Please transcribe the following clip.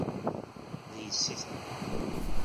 D yessi-twen.